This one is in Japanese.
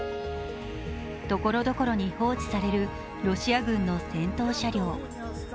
ところどころに放置されるロシア軍の戦闘車両。